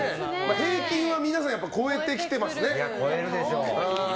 平均は皆さん超えてきてますね。